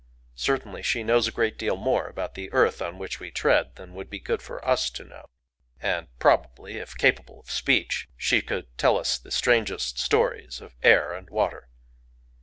Certainly she knows a great deal more about the earth on which we tread than would be good for us to know; and probably, if capable of speech, she could tell us the strangest stories of air and water.